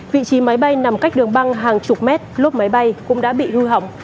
vị trí máy bay nằm cách đường băng hàng chục mét lốp máy bay cũng đã bị hư hỏng